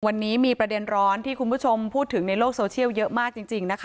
วันนี้มีประเด็นร้อนที่คุณผู้ชมพูดถึงในโลกโซเชียลเยอะมากจริงนะคะ